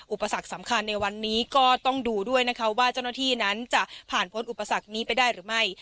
อุปสรรคสำคัญในวันนี้ก็ต้องดูด้วยนะคะว่าเจ้าหน้าที่นั้นจะผ่านพ้นอุปสรรคนี้ไปได้หรือไม่